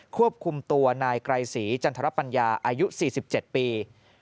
ควบคุมตัวนายไกรศรีจันทรปัญญาอายุสี่สิบเจ็ดปี